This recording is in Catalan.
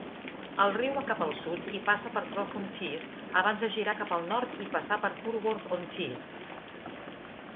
El riu va cap al sud i passa per Croft-on-Tees abans de girar cap al nord i passar per Hurworth-on-Tees.